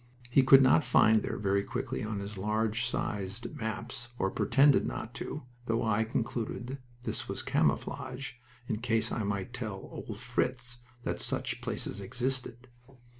He could not find there very quickly on his large sized maps, or pretended not to, though I concluded that this was "camouflage," in case I might tell "old Fritz" that such places existed.